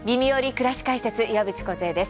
くらし解説」岩渕梢です。